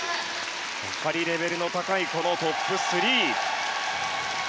やはりレベルの高いトップ３。